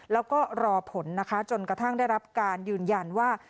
แล้วก็รอผลนะคะจนกระทั่งได้รับการยืนยันว่า